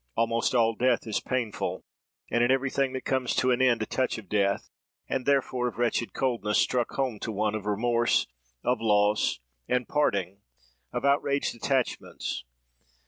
Almost all death is painful, and in every thing that comes to an end a touch of death, and therefore of wretched coldness struck home to one, of remorse, of loss and parting, of outraged attachments.